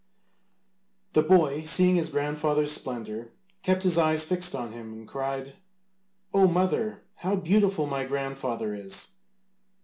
The boy, seeing his grandfather's splendour, kept his eyes fixed on him, and cried, "Oh, mother, how beautiful my grandfather is!"